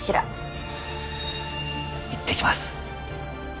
「いってきます」